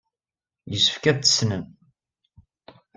Yessefk ad t-tessnem.